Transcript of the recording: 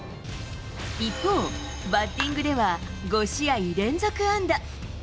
一方、バッティングでは５試合連続安打。